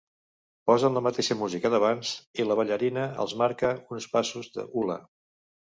Posen la mateixa música d'abans i la ballarina els marca uns passos d'hula.